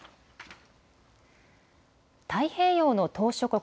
太平洋の島しょ国